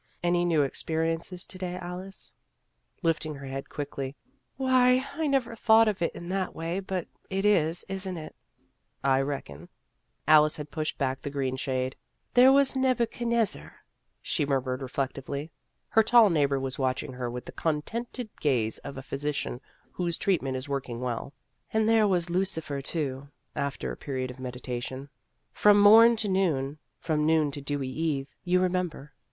" Any new experiences to day, Alice ?" Lifting her head quickly, " Why, I never thought of it in that way, but it is, isn't it?" " I reckon." Alice had pushed back the green shade. " There was Nebuchadnezzar," she mur mured reflectively. Her tall neighbor was watching her with the contented gaze of a physician whose treatment is working well. " And there was Lucifer, too," after a pe riod of meditation, "' from morn to noon, from noon to dewy eve,' you remember?